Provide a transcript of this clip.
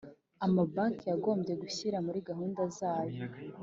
Amabanki yagombye gushyira muri gahunda zayo